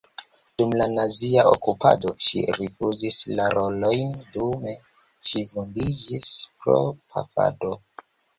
Dum la nazia okupado ŝi rifuzis la rolojn, dume ŝi vundiĝis pro pafado.